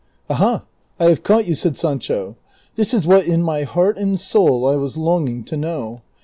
" Aha, I have caught you," said Sancho ;" this is what in my heart and soul I was longing to know.